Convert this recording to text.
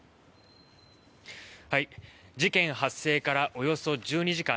事件発生からおよそ１２時間。